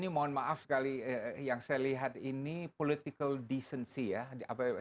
ini mohon maaf sekali yang saya lihat ini political decency ya